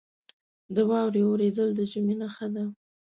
• د واورې اورېدل د ژمي نښه ده.